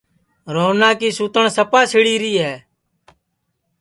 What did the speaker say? روہنا کی سوتن سپا سِڑی ری ہے